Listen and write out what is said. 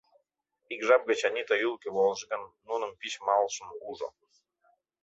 Ик жап гыч Анита ӱлыкӧ волыш гын, нуным пич малышым ужо.